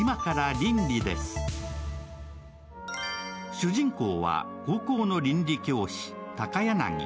主人公は高校の倫理教師、高柳。